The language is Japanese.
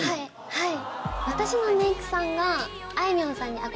はい。